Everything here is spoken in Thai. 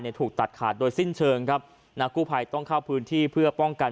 เนี่ยถูกตัดขาดโดยสิ้นเชิงนะครับนาคูไพต้องเข้าพื้นที่เพื่อป้องกัน